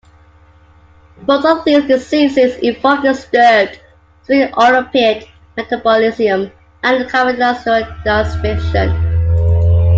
Both of these diseases involve disturbed sphingolipid metabolism and cardiovascular dysfunction.